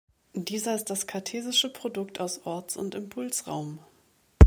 Dieser ist das kartesische Produkt aus Orts- und Impulsraum.